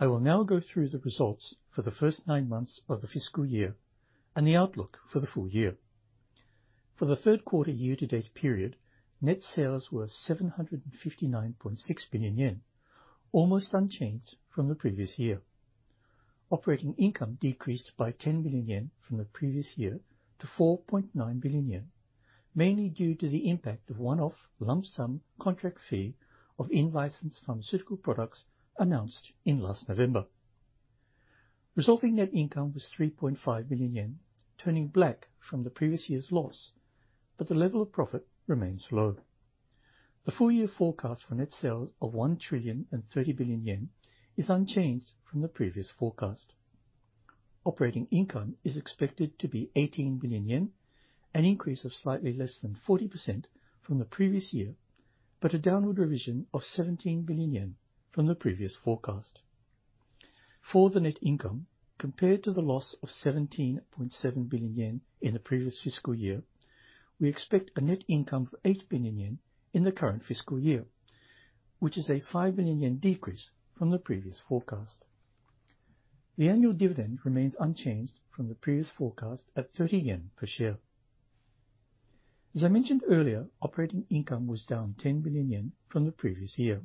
I will now go through the results for the first nine months of the fiscal year and the outlook for the full year. For the third quarter year-to-date period, net sales were 759.6 billion yen, almost unchanged from the previous year. Operating income decreased by 10 billion yen from the previous year to 4.9 billion yen, mainly due to the impact of one-off lump sum contract fee of in-licensed pharmaceutical products announced in last November. Resulting net income was 3.5 billion yen, turning black from the previous year's loss, but the level of profit remains low. The full year forecast for net sales of 1,030 billion yen is unchanged from the previous forecast. Operating income is expected to be 18 billion yen, an increase of slightly less than 40% from the previous year, but a downward revision of 17 billion yen from the previous forecast. For the net income, compared to the loss of 17.7 billion yen in the previous fiscal year, we expect a net income of 8 billion yen in the current fiscal year, which is a 5 billion yen decrease from the previous forecast. The annual dividend remains unchanged from the previous forecast at 30 yen per share. As I mentioned earlier, operating income was down 10 billion yen from the previous year.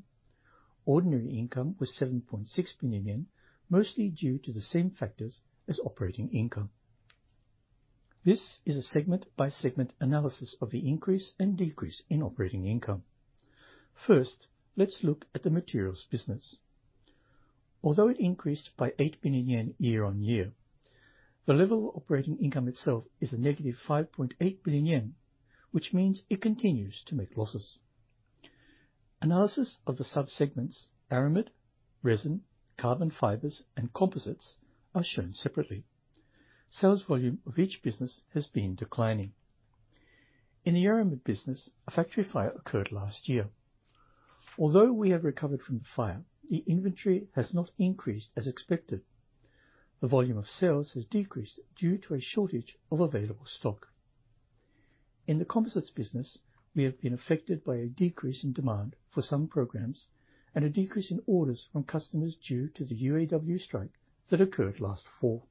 Ordinary income was 7.6 billion yen, mostly due to the same factors as operating income. This is a segment-by-segment analysis of the increase and decrease in operating income. First, let's look at the materials business. Although it increased by 8 billion yen year-on-year, the level of operating income itself is -5.8 billion yen, which means it continues to make losses. Analysis of the sub-segments, aramid, resin, carbon fibers, and composites, are shown separately. Sales volume of each business has been declining. In the aramid business, a factory fire occurred last year. Although we have recovered from the fire, the inventory has not increased as expected. The volume of sales has decreased due to a shortage of available stock. In the composites business, we have been affected by a decrease in demand for some programs and a decrease in orders from customers due to the UAW strike that occurred last fall.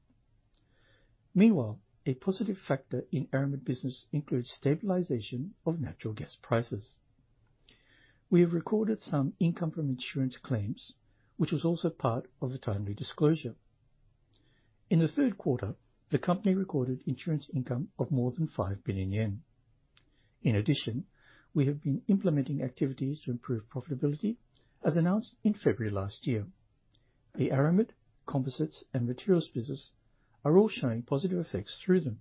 Meanwhile, a positive factor in aramid business includes stabilization of natural gas prices. We have recorded some income from insurance claims, which was also part of the timely disclosure. In the third quarter, the company recorded insurance income of more than 5 billion yen. In addition, we have been implementing activities to improve profitability, as announced in February last year. The aramid, composites, and materials business are all showing positive effects through them.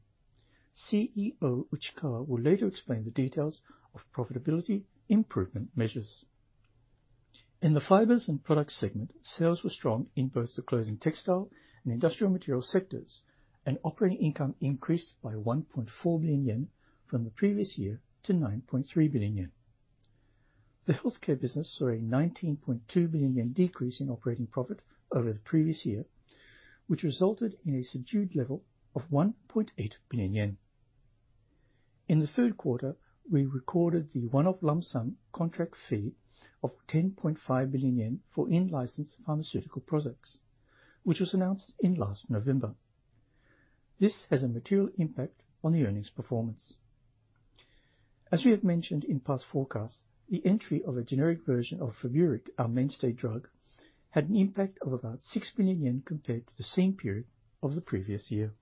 CEO Uchikawa will later explain the details of profitability improvement measures. In the fibers and products segment, sales were strong in both the clothing textile and industrial material sectors, and operating income increased by 1.4 billion yen from the previous year to 9.3 billion yen. The healthcare business saw a 19.2 billion yen decrease in operating profit over the previous year, which resulted in a subdued level of 1.8 billion yen. In the third quarter, we recorded the one-off lump sum contract fee of 10.5 billion yen for in-licensed pharmaceutical products, which was announced in last November. This has a material impact on the earnings performance. As we have mentioned in past forecasts, the entry of a generic version of FEBURIC, our mainstay drug, had an impact of about 6 billion yen compared to the same period of the previous year.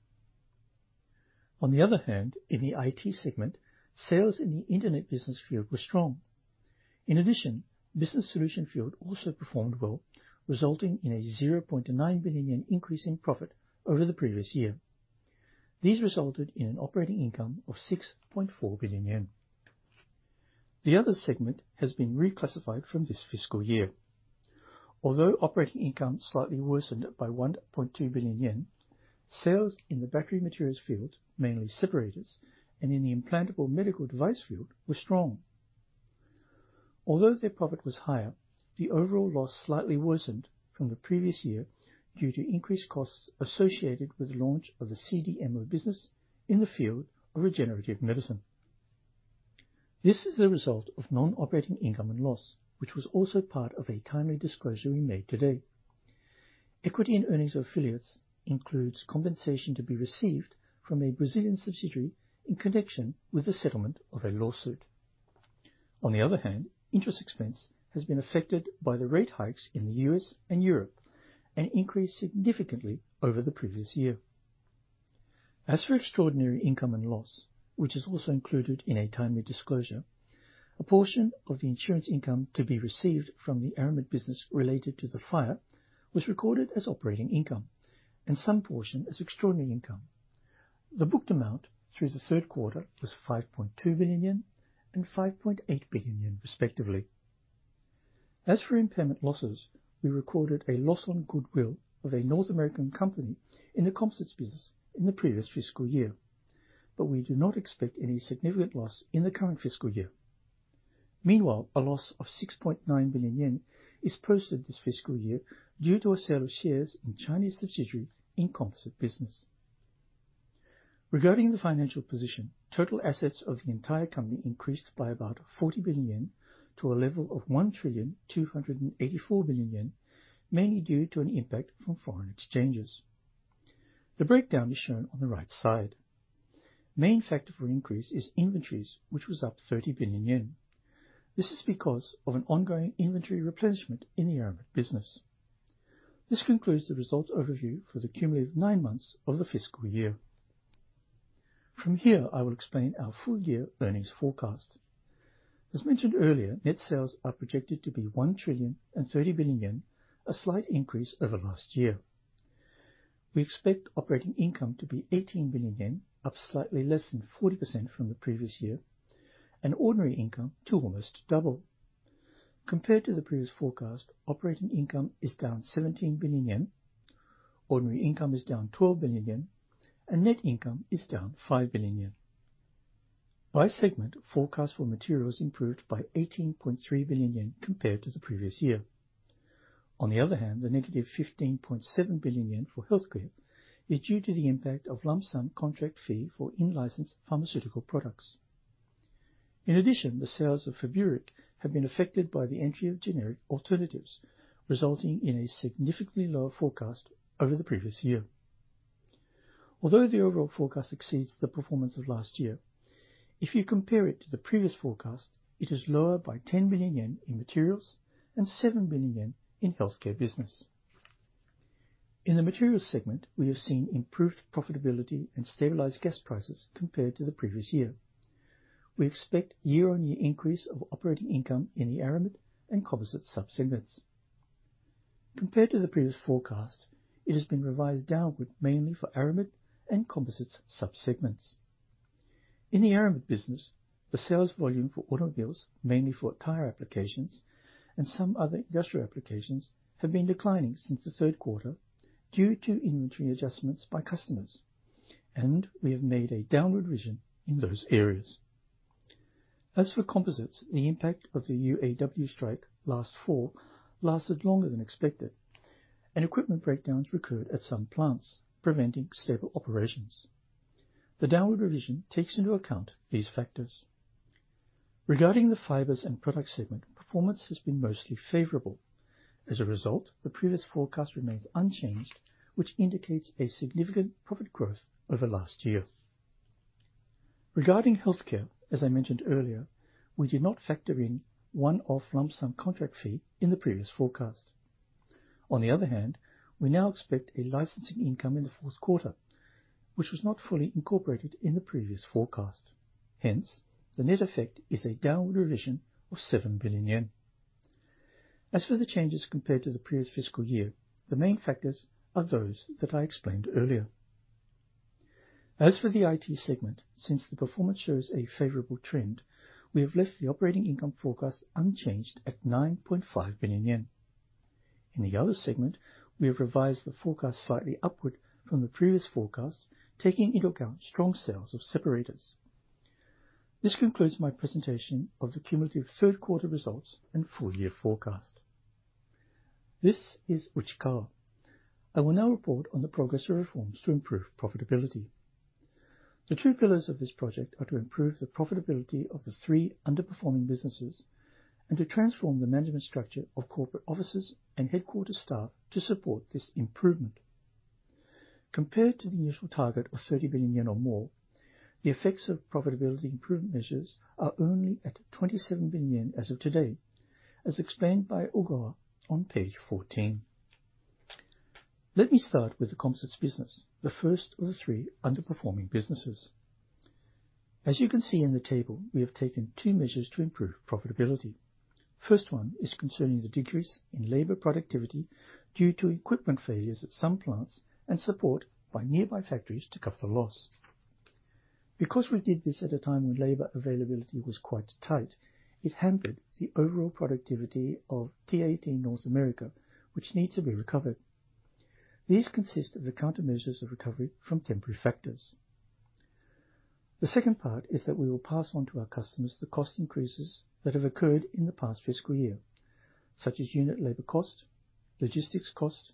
On the other hand, in the IT segment, sales in the internet business field were strong. In addition, business solution field also performed well, resulting in a 0.9 billion yen increase in profit over the previous year. These resulted in an operating income of 6.4 billion yen. The other segment has been reclassified from this fiscal year. Although operating income slightly worsened by 1.2 billion yen, sales in the battery materials field, mainly separators and in the implantable medical device field, were strong. Although their profit was higher, the overall loss slightly worsened from the previous year due to increased costs associated with the launch of the CDMO business in the field of regenerative medicine. This is the result of non-operating income and loss, which was also part of a timely disclosure we made today. Equity in earnings of affiliates includes compensation to be received from a Brazilian subsidiary in connection with the settlement of a lawsuit. On the other hand, interest expense has been affected by the rate hikes in the U.S. and Europe, and increased significantly over the previous year. As for extraordinary income and loss, which is also included in a timely disclosure, a portion of the insurance income to be received from the aramid business related to the fire was recorded as operating income, and some portion as extraordinary income. The booked amount through the third quarter was 5.2 billion yen and 5.8 billion yen, respectively. As for impairment losses, we recorded a loss on goodwill of a North American company in the composites business in the previous fiscal year, but we do not expect any significant loss in the current fiscal year. Meanwhile, a loss of 6.9 billion yen is posted this fiscal year due to a sale of shares in Chinese subsidiary in composite business. Regarding the financial position, total assets of the entire company increased by about 40 billion yen to a level of 1,284 billion yen, mainly due to an impact from foreign exchanges. The breakdown is shown on the right side. Main factor for increase is inventories, which was up 30 billion yen. This is because of an ongoing inventory replenishment in the Aramid business. This concludes the results overview for the cumulative nine months of the fiscal year. From here, I will explain our full-year earnings forecast. As mentioned earlier, net sales are projected to be 1,030 billion yen, a slight increase over last year. We expect operating income to be 18 billion yen, up slightly less than 40% from the previous year, and ordinary income to almost double. Compared to the previous forecast, operating income is down 17 billion yen, ordinary income is down 12 billion yen, and net income is down 5 billion yen. By segment, forecast for materials improved by 18.3 billion yen compared to the previous year. On the other hand, the negative 15.7 billion yen for healthcare is due to the impact of lump sum contract fee for in-licensed pharmaceutical products. In addition, the sales of FEBURIC have been affected by the entry of generic alternatives, resulting in a significantly lower forecast over the previous year. Although the overall forecast exceeds the performance of last year, if you compare it to the previous forecast, it is lower by 10 billion yen in materials and 7 billion yen in healthcare business. In the materials segment, we have seen improved profitability and stabilized gas prices compared to the previous year. We expect year-on-year increase of operating income in the Aramid and composites sub-segments. Compared to the previous forecast, it has been revised downward mainly for Aramid and composites sub-segments. In the Aramid business, the sales volume for automobiles, mainly for tire applications and some other industrial applications, have been declining since the third quarter due to inventory adjustments by customers, and we have made a downward revision in those areas. As for composites, the impact of the UAW strike last fall lasted longer than expected, and equipment breakdowns recurred at some plants, preventing stable operations. The downward revision takes into account these factors. Regarding the fibers and product segment, performance has been mostly favorable. As a result, the previous forecast remains unchanged, which indicates a significant profit growth over last year. Regarding healthcare, as I mentioned earlier, we did not factor in one-off lump sum contract fee in the previous forecast. On the other hand, we now expect a licensing income in the fourth quarter, which was not fully incorporated in the previous forecast. Hence, the net effect is a downward revision of 7 billion yen. As for the changes compared to the previous fiscal year, the main factors are those that I explained earlier. As for the IT segment, since the performance shows a favorable trend, we have left the operating income forecast unchanged at 9.5 billion yen. In the other segment, we have revised the forecast slightly upward from the previous forecast, taking into account strong sales of separators. This concludes my presentation of the cumulative third quarter results and full year forecast. This is Uchikawa. I will now report on the progress of reforms to improve profitability. The two pillars of this project are to improve the profitability of the three underperforming businesses and to transform the management structure of corporate offices and headquarters staff to support this improvement. Compared to the initial target of 30 billion yen or more, the effects of profitability improvement measures are only at 27 billion yen as of today, as explained by Ogawa on page 14. Let me start with the composites business, the first of the three underperforming businesses. As you can see in the table, we have taken two measures to improve profitability. First one is concerning the decrease in labor productivity due to equipment failures at some plants and support by nearby factories to cover the loss. Because we did this at a time when labor availability was quite tight, it hampered the overall productivity of TAT North America, which needs to be recovered. These consist of the countermeasures of recovery from temporary factors. The second part is that we will pass on to our customers the cost increases that have occurred in the past fiscal year, such as unit labor cost, logistics cost,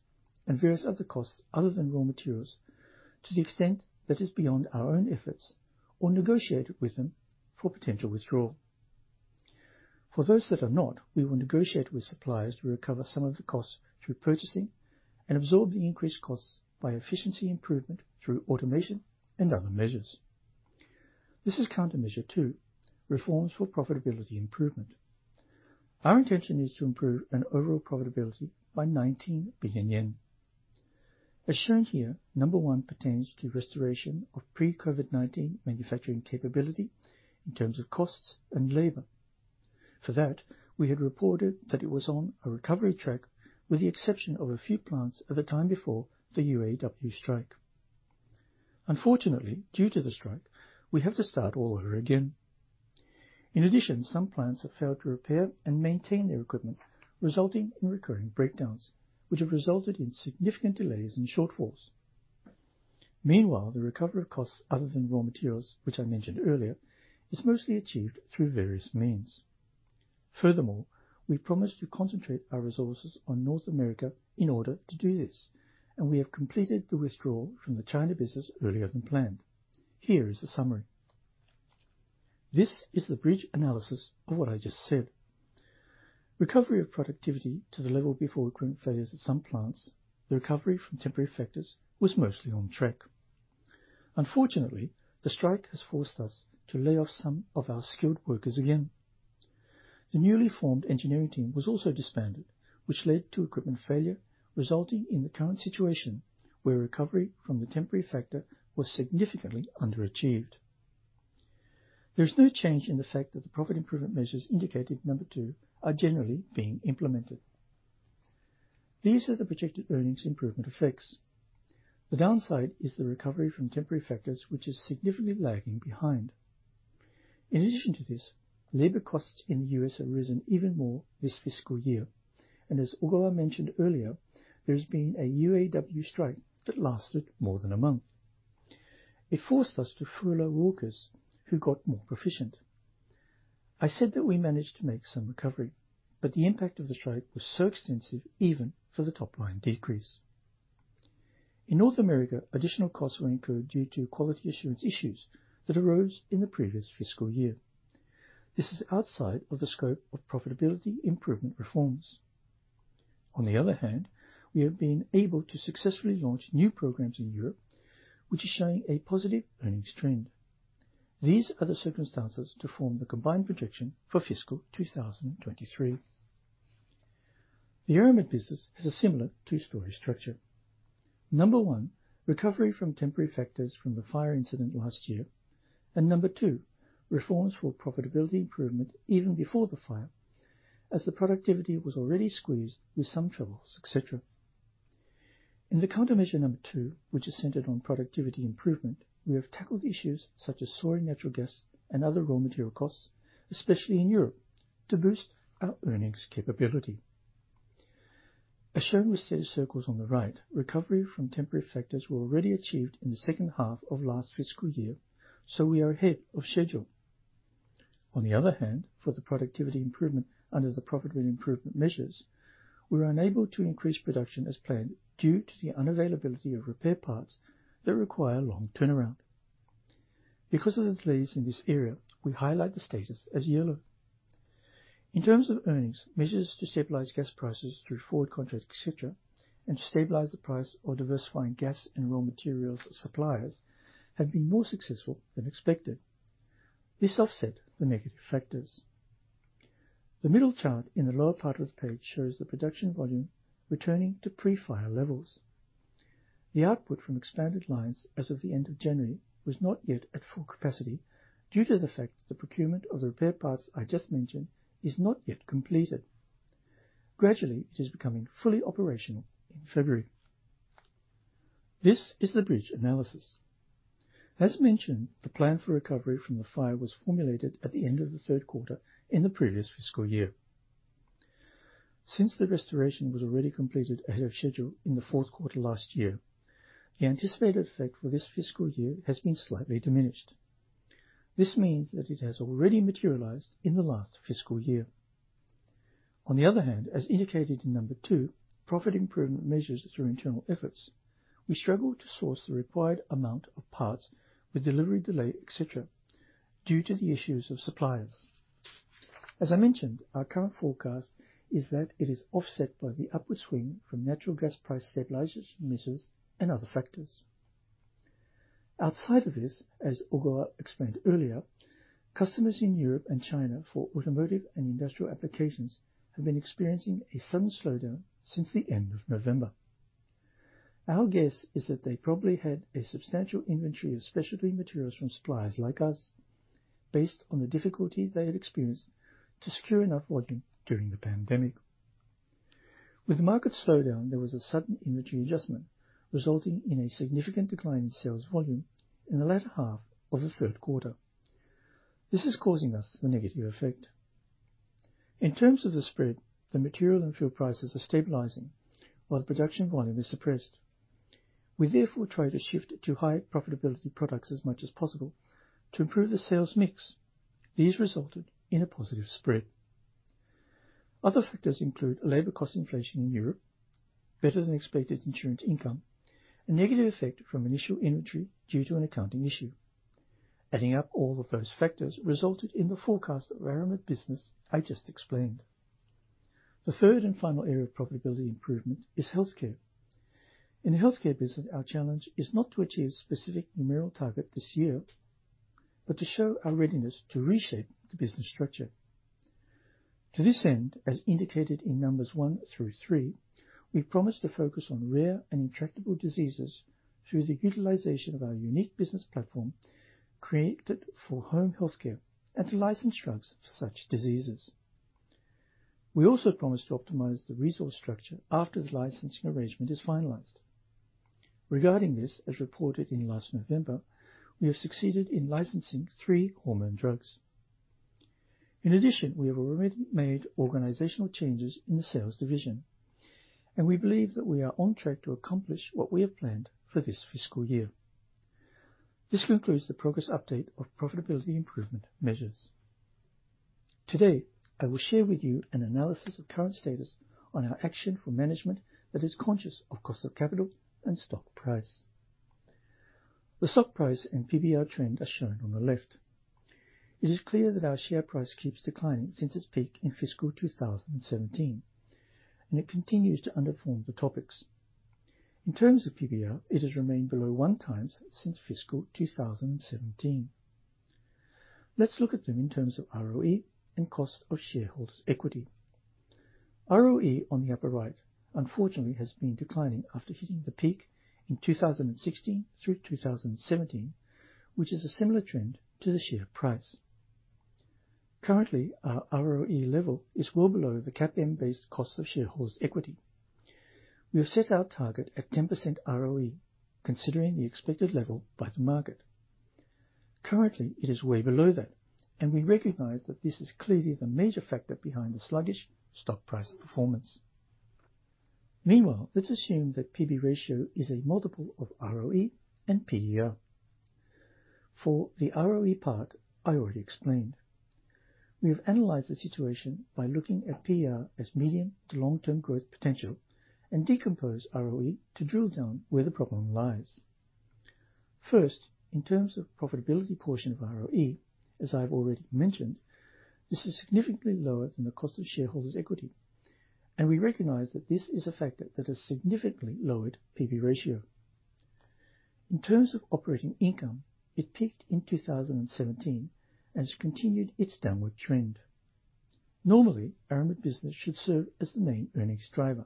and various other costs other than raw materials, to the extent that is beyond our own efforts or negotiated with them for potential withdrawal. For those that are not, we will negotiate with suppliers to recover some of the costs through purchasing and absorb the increased costs by efficiency improvement through automation and other measures. This is countermeasure two, reforms for profitability improvement. Our intention is to improve an overall profitability by 19 billion yen. As shown here, number one pertains to restoration of pre-COVID-19 manufacturing capability in terms of costs and labor. For that, we had reported that it was on a recovery track, with the exception of a few plants at the time before the UAW strike. Unfortunately, due to the strike, we have to start all over again. In addition, some plants have failed to repair and maintain their equipment, resulting in recurring breakdowns, which have resulted in significant delays and shortfalls. Meanwhile, the recovery of costs other than raw materials, which I mentioned earlier, is mostly achieved through various means. Furthermore, we promise to concentrate our resources on North America in order to do this, and we have completed the withdrawal from the China business earlier than planned. Here is a summary. This is the bridge analysis of what I just said. Recovery of productivity to the level before equipment failures at some plants, the recovery from temporary factors was mostly on track. Unfortunately, the strike has forced us to lay off some of our skilled workers again. The newly formed engineering team was also disbanded, which led to equipment failure, resulting in the current situation where recovery from the temporary factor was significantly underachieved. There is no change in the fact that the profit improvement measures indicated in number two are generally being implemented. These are the projected earnings improvement effects. The downside is the recovery from temporary factors, which is significantly lagging behind. In addition to this, labor costs in the U.S. have risen even more this fiscal year, and as Ogawa mentioned earlier, there has been a UAW strike that lasted more than a month. It forced us to furlough workers who got more proficient. I said that we managed to make some recovery, but the impact of the strike was so extensive even for the top-line decrease. In North America, additional costs were incurred due to quality assurance issues that arose in the previous fiscal year. This is outside of the scope of profitability improvement reforms. On the other hand, we have been able to successfully launch new programs in Europe, which is showing a positive earnings trend. These are the circumstances to form the combined projection for fiscal 2023. The Aramid business has a similar two-story structure. Number 1, recovery from temporary factors from the fire incident last year, and Number 2, reforms for profitability improvement even before the fire, as the productivity was already squeezed with some troubles, etc. In the countermeasure number two, which is centered on productivity improvement, we have tackled issues such as soaring natural gas and other raw material costs, especially in Europe, to boost our earnings capability. As shown with status circles on the right, recovery from temporary factors were already achieved in the second half of last fiscal year, so we are ahead of schedule. On the other hand, for the productivity improvement under the profit improvement measures, we were unable to increase production as planned due to the unavailability of repair parts that require long turnaround. Because of the delays in this area, we highlight the status as yellow. In terms of earnings, measures to stabilize gas prices through forward contracts, etc., and to stabilize the price or diversifying gas and raw materials suppliers have been more successful than expected. This offset the negative factors. The middle chart in the lower part of the page shows the production volume returning to pre-fire levels. The output from expanded lines as of the end of January was not yet at full capacity due to the fact the procurement of the repair parts I just mentioned is not yet completed. Gradually, it is becoming fully operational in February. This is the bridge analysis. As mentioned, the plan for recovery from the fire was formulated at the end of the third quarter in the previous fiscal year. Since the restoration was already completed ahead of schedule in the fourth quarter last year, the anticipated effect for this fiscal year has been slightly diminished. This means that it has already materialized in the last fiscal year. On the other hand, as indicated in number two, profit improvement measures through internal efforts, we struggled to source the required amount of parts with delivery delay, etc., due to the issues of suppliers. As I mentioned, our current forecast is that it is offset by the upward swing from natural gas price stabilization measures and other factors. Outside of this, as Ogawa explained earlier, customers in Europe and China for automotive and industrial applications have been experiencing a sudden slowdown since the end of November. Our guess is that they probably had a substantial inventory of specialty materials from suppliers like us, based on the difficulty they had experienced to secure enough volume during the pandemic. With the market slowdown, there was a sudden inventory adjustment, resulting in a significant decline in sales volume in the latter half of the third quarter. This is causing us the negative effect. In terms of the spread, the material and fuel prices are stabilizing, while the production volume is suppressed. We therefore try to shift to higher profitability products as much as possible to improve the sales mix. These resulted in a positive spread. Other factors include labor cost inflation in Europe, better-than-expected insurance income, a negative effect from initial inventory due to an accounting issue. Adding up all of those factors resulted in the forecast of aramid business I just explained. The third and final area of profitability improvement is healthcare. In the healthcare business, our challenge is not to achieve specific numerical target this year, but to show our readiness to reshape the business structure. To this end, as indicated in numbers one through three, we promise to focus on rare and intractable diseases through the utilization of our unique business platform created for home healthcare and to license drugs for such diseases. We also promise to optimize the resource structure after the licensing arrangement is finalized. Regarding this, as reported in last November, we have succeeded in licensing three hormone drugs. In addition, we have already made organizational changes in the sales division, and we believe that we are on track to accomplish what we have planned for this fiscal year. This concludes the progress update of profitability improvement measures. Today, I will share with you an analysis of current status on our action for management that is conscious of cost of capital and stock price. The stock price and PBR trend are shown on the left. It is clear that our share price keeps declining since its peak in fiscal 2017, and it continues to underperform the TOPIX. In terms of PBR, it has remained below 1x since fiscal 2017. Let's look at them in terms of ROE and cost of shareholders' equity. ROE on the upper right, unfortunately, has been declining after hitting the peak in 2016 through 2017, which is a similar trend to the share price. Currently, our ROE level is well below the capital-based cost of shareholders' equity. We have set our target at 10% ROE, considering the expected level by the market. Currently, it is way below that, and we recognize that this is clearly the major factor behind the sluggish stock price performance. Meanwhile, let's assume that P/B ratio is a multiple of ROE and PER. For the ROE part, I already explained. We have analyzed the situation by looking at PER as medium to long-term growth potential and decompose ROE to drill down where the problem lies. First, in terms of profitability portion of ROE, as I've already mentioned, this is significantly lower than the cost of shareholders' equity, and we recognize that this is a factor that has significantly lowered P/B ratio. In terms of operating income, it peaked in 2017 and has continued its downward trend. Normally, Aramid business should serve as the main earnings driver.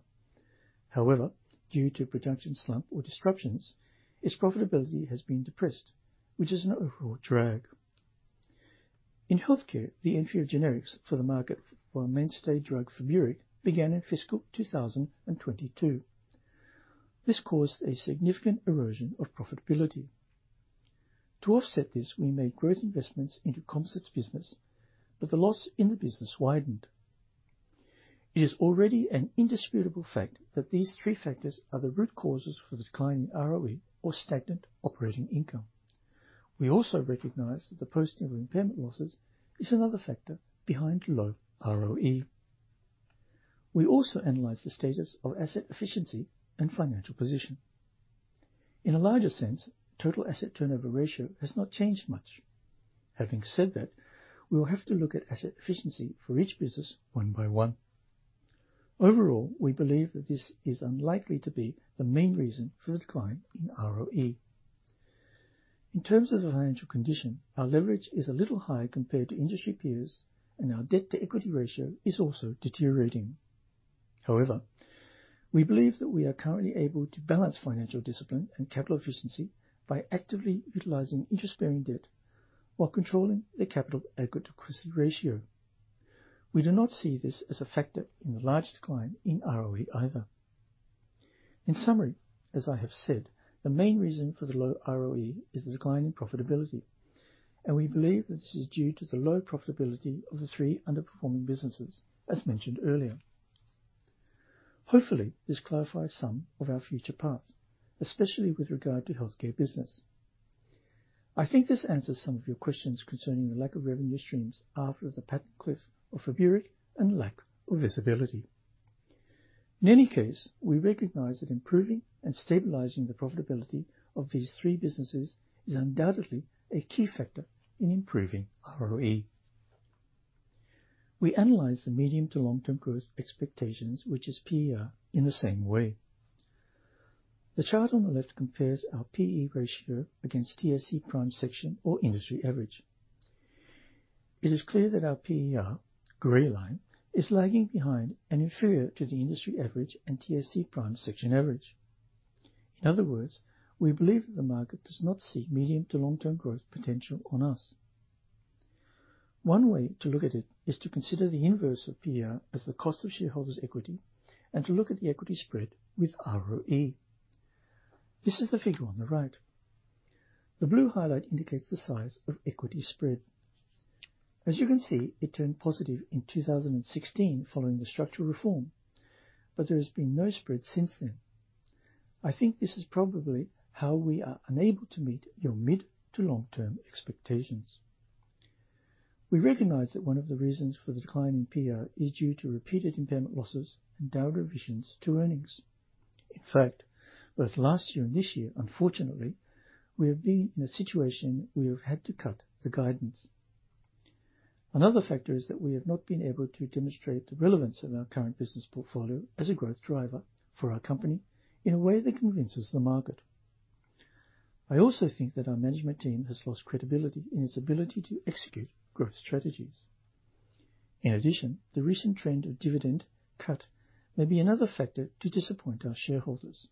However, due to production slump or disruptions, its profitability has been depressed, which is an overall drag. In healthcare, the entry of generics for the market while mainstay drug FEBURIC began in fiscal 2022. This caused a significant erosion of profitability. To offset this, we made growth investments into composites business, but the loss in the business widened. It is already an indisputable fact that these three factors are the root causes for the decline in ROE or stagnant operating income. We also recognize that the posting of impairment losses is another factor behind low ROE. We also analyze the status of asset efficiency and financial position. In a larger sense, total asset turnover ratio has not changed much. Having said that, we will have to look at asset efficiency for each business one by one. Overall, we believe that this is unlikely to be the main reason for the decline in ROE. In terms of the financial condition, our leverage is a little higher compared to industry peers, and our debt-to-equity ratio is also deteriorating. However, we believe that we are currently able to balance financial discipline and capital efficiency by actively utilizing interest-bearing debt while controlling the capital adequacy ratio. We do not see this as a factor in the large decline in ROE either. In summary, as I have said, the main reason for the low ROE is the decline in profitability, and we believe that this is due to the low profitability of the three underperforming businesses, as mentioned earlier. Hopefully, this clarifies some of our future paths, especially with regard to healthcare business. I think this answers some of your questions concerning the lack of revenue streams after the patent cliff of FEBURIC and lack of visibility. In any case, we recognize that improving and stabilizing the profitability of these three businesses is undoubtedly a key factor in improving ROE. We analyze the medium to long-term growth expectations, which is PER, in the same way. The chart on the left compares our P/E ratio against TSE Prime section or industry average. It is clear that our PER, gray line, is lagging behind and inferior to the industry average and TSE Prime section average. In other words, we believe that the market does not see medium to long-term growth potential on us. One way to look at it is to consider the inverse of PER as the cost of shareholders' equity and to look at the equity spread with ROE. This is the figure on the right. The blue highlight indicates the size of equity spread. As you can see, it turned positive in 2016 following the structural reform, but there has been no spread since then. I think this is probably how we are unable to meet your mid- to long-term expectations. We recognize that one of the reasons for the decline in PER is due to repeated impairment losses and downward revisions to earnings. In fact, both last year and this year, unfortunately, we have been in a situation we have had to cut the guidance. Another factor is that we have not been able to demonstrate the relevance of our current business portfolio as a growth driver for our company in a way that convinces the market. I also think that our management team has lost credibility in its ability to execute growth strategies. In addition, the recent trend of dividend cut may be another factor to disappoint our shareholders.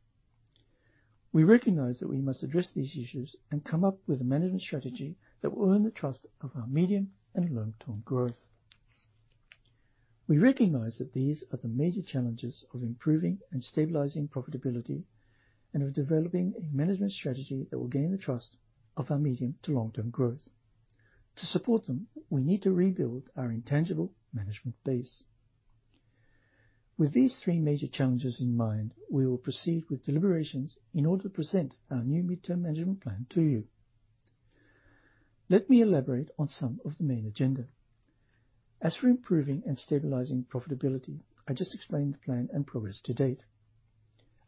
We recognize that we must address these issues and come up with a management strategy that will earn the trust of our medium and long-term growth. We recognize that these are the major challenges of improving and stabilizing profitability, and of developing a management strategy that will gain the trust of our medium to long-term growth. To support them, we need to rebuild our intangible management base. With these three major challenges in mind, we will proceed with deliberations in order to present our new midterm management plan to you. Let me elaborate on some of the main agenda. As for improving and stabilizing profitability, I just explained the plan and progress to date.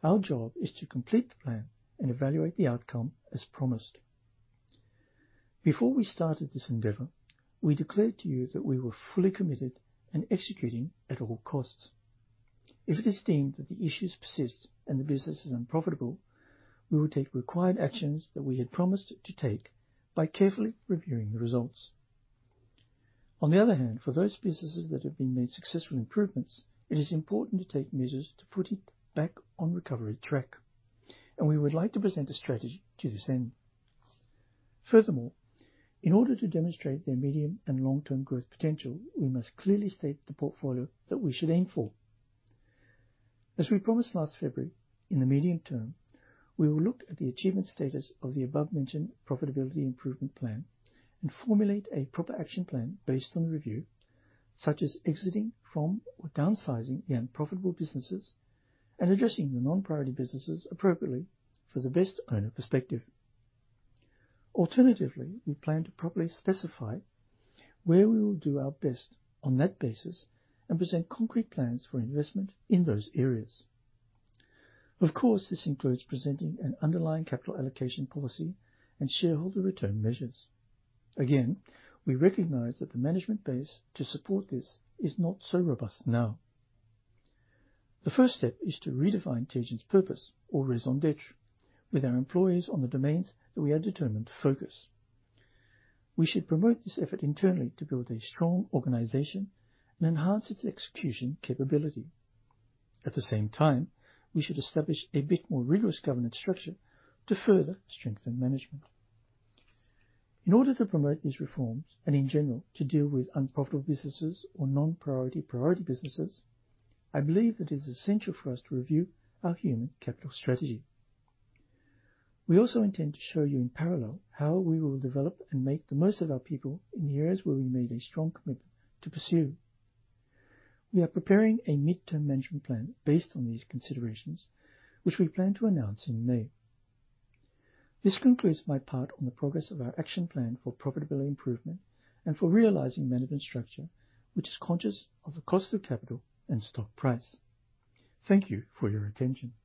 Our job is to complete the plan and evaluate the outcome as promised. Before we started this endeavor, we declared to you that we were fully committed and executing at all costs. If it is deemed that the issues persist and the business is unprofitable, we will take required actions that we had promised to take by carefully reviewing the results. On the other hand, for those businesses that have been made successful improvements, it is important to take measures to put it back on recovery track, and we would like to present a strategy to this end. Furthermore, in order to demonstrate their medium and long-term growth potential, we must clearly state the portfolio that we should aim for. As we promised last February, in the medium term, we will look at the achievement status of the above-mentioned profitability improvement plan and formulate a proper action plan based on the review, such as exiting from or downsizing the unprofitable businesses and addressing the non-priority businesses appropriately for the best owner perspective. Alternatively, we plan to properly specify where we will do our best on that basis and present concrete plans for investment in those areas. Of course, this includes presenting an underlying capital allocation policy and shareholder return measures. Again, we recognize that the management base to support this is not so robust now. The first step is to redefine Teijin's purpose or raison d'être with our employees on the domains that we are determined to focus. We should promote this effort internally to build a strong organization and enhance its execution capability. At the same time, we should establish a bit more rigorous governance structure to further strengthen management. In order to promote these reforms, and in general, to deal with unprofitable businesses or non-priority, priority businesses, I believe that it is essential for us to review our human capital strategy. We also intend to show you in parallel, how we will develop and make the most of our people in the areas where we made a strong commitment to pursue. We are preparing a midterm management plan based on these considerations, which we plan to announce in May. This concludes my part on the progress of our action plan for profitability improvement and for realizing management structure, which is conscious of the cost of capital and stock price. Thank you for your attention.